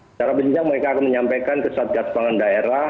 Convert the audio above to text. secara berjenjang mereka akan menyampaikan ke satgas pangan daerah